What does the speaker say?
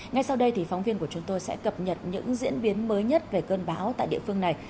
ngay sau đây thì phóng viên của chúng tôi sẽ cập nhật những diễn biến mới nhất về cơn bão tại địa phương này